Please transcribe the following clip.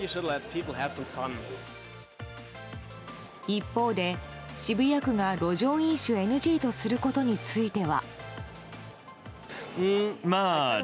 一方で渋谷区が路上飲酒ＮＧとすることについては。